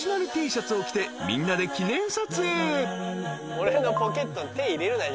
俺のポケットに手入れるな。